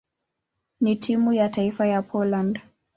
na timu ya taifa ya Poland.